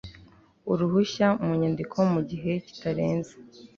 uruhushya mu nyandiko mu gihe kitarenze